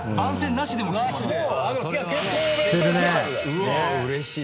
「うわっうれしい。